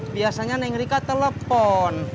biasanya neng rika telepon